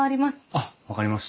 あっ分かりました。